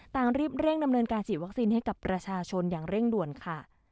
ต่างรีบเร่งดำเนินการฉีดวัคซีนให้กับประชาชนอย่างเร่งด่วนค่ะ